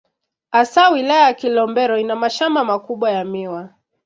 Hasa Wilaya ya Kilombero ina mashamba makubwa ya miwa.